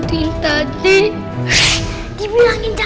tmel sedang berica